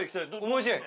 面白い。